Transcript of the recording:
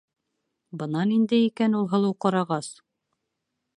Бына ниндәй икән ул һылыу ҡарағас!